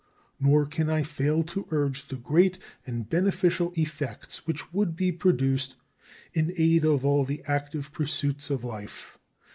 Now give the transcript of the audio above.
Nor can I fail to urge the great and beneficial effects which would be produced in aid of all the active pursuits of life.